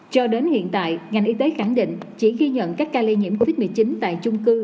cho đến hiện tại ngành y tế khẳng định chỉ ghi nhận các ca lây nhiễm covid một mươi chín tại chung cư